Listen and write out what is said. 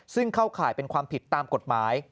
ซึ่งเข้าข่ายเป็นความผิดตามกฎหมาย